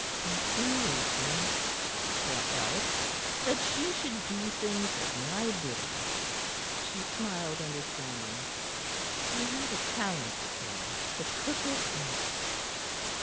"Insinuations?" "What else? That she should do things at my bidding!" She smiled understanding. "You have a talent, sir, for crooked answers."